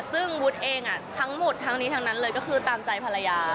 ซึ่งวุฒิเองทั้งหมดทั้งนี้ทั้งนั้นเลยก็คือตามใจภรรยา